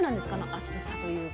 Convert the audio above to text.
暑さというか。